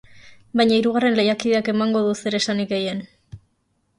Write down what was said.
Baina hirugarren lehiakideak emango du zeresanik gehien.